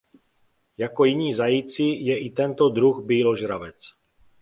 Jako jiní zajíci je i tento druh býložravec.